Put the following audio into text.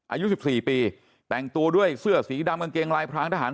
อายุ๑๔ปีแต่งตัวด้วยเสื้อสีดำกางเกงลายพรางทหาร